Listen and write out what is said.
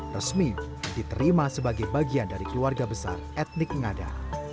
resmi diterima sebagai bagian dari keluarga besar etnik ngada